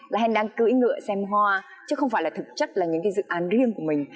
là hèn đang cưỡi ngựa xem hoa chứ không phải là thực chất là những dự án riêng của mình